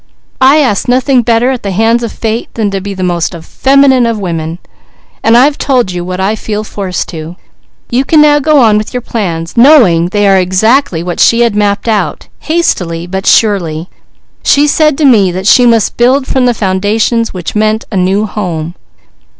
I ask nothing better at the hands of fate than to be the most feminine of women. And I've told you what I feel forced to. You can now go on with your plans, knowing they are exactly what she had mapped out, hastily, but surely. She said to me that she must build from the foundations, which meant a new home."